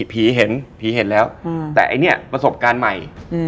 ผีเห็นผีเห็นแล้วแต่ไอ้เนี่ยประสบการณ์ใหม่